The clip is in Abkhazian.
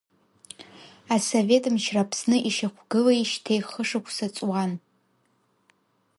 Асовет мчра Аԥсны ишьақәгылеижьҭеи хышықәса ҵуан.